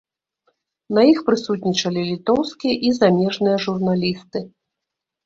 На іх прысутнічалі літоўскія і замежныя журналісты.